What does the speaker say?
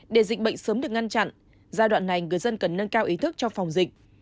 để dịch bệnh sớm được ngăn chặn giai đoạn này người dân cần nâng cao ý thức cho phòng dịch